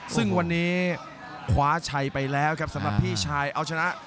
ซึ่งวันนี้คว้าชัยไปแล้วครับสำหรับพี่ชายเอาชนะ